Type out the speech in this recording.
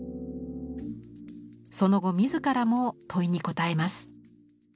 その後自らも問いに答えます。